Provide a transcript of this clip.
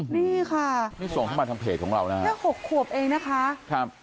นี่ค่ะนี่ส่งเข้ามาทางเพจของเรานะฮะแค่๖ขวบเองนะคะครับ